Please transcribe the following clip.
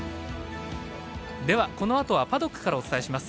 では、このあとはパドックからお伝えします。